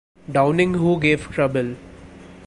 Downing who gave trouble.